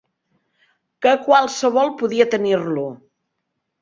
Que qualsevol podia tenir-lo